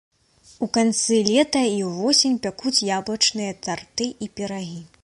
У канцы лета і ўвосень пякуць яблычныя тарты і пірагі.